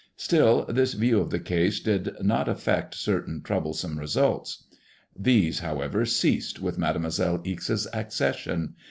Still this view of the case did not affect certain trou blesome results. These, how ever, ceased with Mademoiselle Ixe's accession.